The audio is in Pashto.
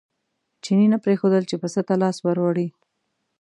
چیني نه پرېښودل چې پسه ته لاس ور وړي.